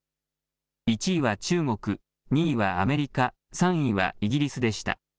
１位は中国、２位はアメリカ、３位はイギリスでした。